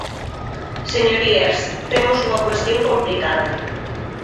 Señorías, temos unha cuestión complicada.